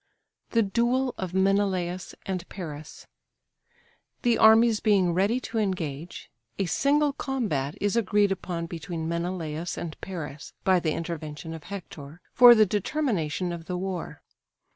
THE DUEL OF MENELAUS AND PARIS. The armies being ready to engage, a single combat is agreed upon between Menelaus and Paris (by the intervention of Hector) for the determination of the war.